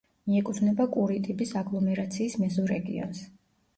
მიეკუთვნება კურიტიბის აგლომერაციის მეზორეგიონს.